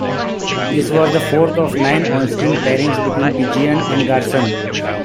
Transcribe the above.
This was the fourth of nine onscreen pairings between Pidgeon and Garson.